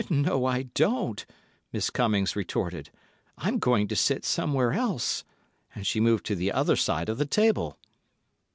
"No, I don't," Miss Cummings retorted; "I'm going to sit somewhere else," and she moved to the other side of the table.